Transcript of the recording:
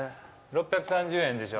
６３０円でしょ？